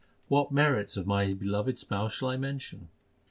What merits of my beloved Spouse shall I mention